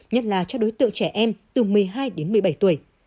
nhất là cho đối tượng trẻ em từ một mươi hai đến một mươi bảy tuổi